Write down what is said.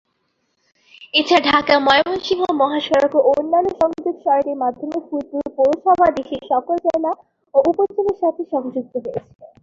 এছাড়া ঢাকা-ময়মনসিংহ মহাসড়ক ও অন্যান্য সংযোগ সড়কের মাধ্যমে ফুলপুর পৌরসভা দেশের সকল জেলা ও উপজেলার সাথে সংযুক্ত হয়েছে।